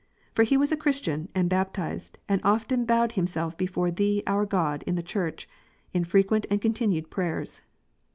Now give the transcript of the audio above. For he was a Christian, and baptized, and often bowed him self before Thee our God in the Church, in frequent and continued prayers.